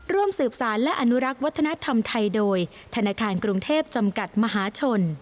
ร่วมสืบสารและอนุรักษ์วัฒนธรรมไทยโดยธนาคารกรุงเทพจำกัดมหาชน